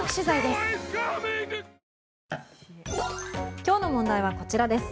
今日の問題はこちらです。